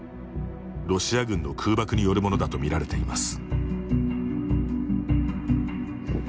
ロシア軍の空爆によるものだと見られています。